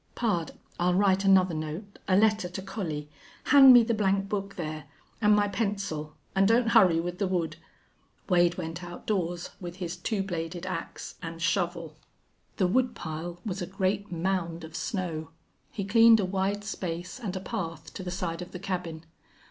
"Pard, I'll write another note a letter to Collie. Hand me the blank book there. And my pencil.... And don't hurry with the wood." Wade went outdoors with his two bladed ax and shovel. The wood pile was a great mound of snow. He cleaned a wide space and a path to the side of the cabin.